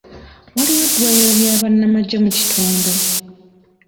Waliwo eddwaliro ly'abannamagye mu kitundu?